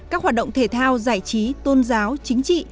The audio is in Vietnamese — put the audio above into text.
các hoạt động thể thao giải trí tôn giáo chính trị